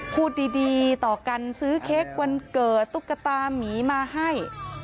พูดดีต่อกันซื้อเค้กวันเกิดตุ๊กตามีมาให้